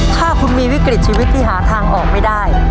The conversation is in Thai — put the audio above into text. ถ้าคุณมีวิกฤตชีวิตที่หาทางออกไม่ได้